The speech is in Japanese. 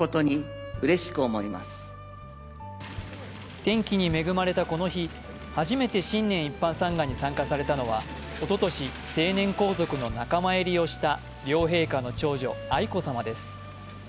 天気に恵まれたこの日、始めて新年一般参賀に参加されたのはおととし成年皇族の仲間入りをした両陛下の長女、愛子さまです。